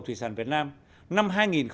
thủy sản việt nam năm hai nghìn một mươi chín